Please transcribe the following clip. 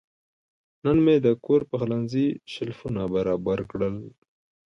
نن مې د کور پخلنځي شیلفونه برابر کړل.